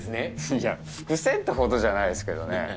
いや伏線ってほどじゃないですけどね。